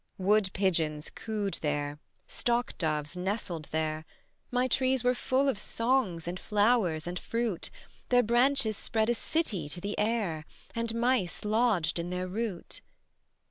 Wood pigeons cooed there, stock doves nestled there; My trees were full of songs and flowers and fruit, Their branches spread a city to the air, And mice lodged in their root.